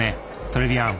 トレビアン！